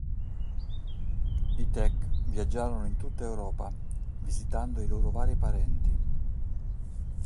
I Teck viaggiarono in tutta Europa, visitando i loro vari parenti.